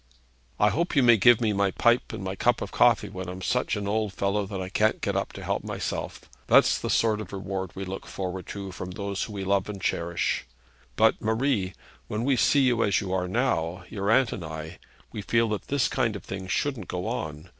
'I hope you may give me my pipe and my cup of coffee when I'm such an old fellow that I can't get up to help myself. That's the sort of reward we look forward to from those we love and cherish. But, Marie, when we see you as you are now your aunt and I we feel that this kind of thing shouldn't go on.